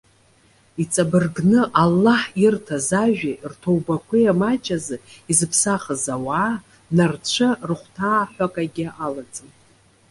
Иҵабыргны, Аллаҳ ирҭаз ажәеи, рҭоубақәеи амаҷ азы изыԥсахыз ауаа, нарцәы рыхәҭаа ҳәа акагьы алаӡам.